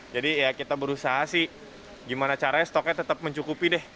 jadi ya kita berusaha sih gimana caranya stoknya tetap mencukupi deh